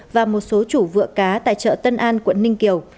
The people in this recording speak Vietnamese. và một số chủ vựa cá tại chợ tân an quận ninh kiều